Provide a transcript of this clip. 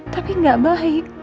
tapi gak baik